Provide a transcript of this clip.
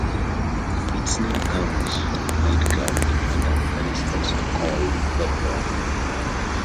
Its name comes from a nightclub in London that is also called Bedrock.